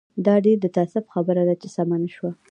دا ډېر د تاسف خبره ده چې سمه نه شوه.